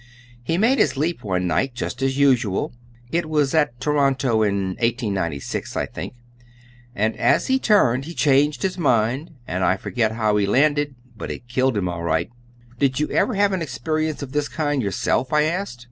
He made his leap one night, just as usual it was at Toronto, in 1896, I think and as he turned he changed his mind, and I forget how he landed, but it killed him all right." "Did you ever have an experience of this kind yourself?" I asked.